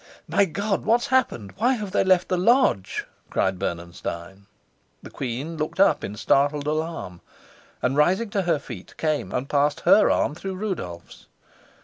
"My God, what's happened? Why have they left the lodge?" cried Bernenstein. The queen looked up in startled alarm, and, rising to her feet, came and passed her arm through Rudolf's.